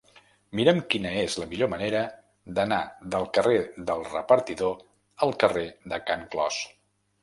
Mira'm quina és la millor manera d'anar del carrer del Repartidor al carrer de Can Clos.